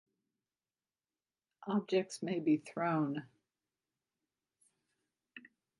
Objects may be thrown.